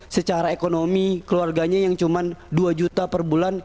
secara ekonomi keluarganya yang cuma dua juta per bulan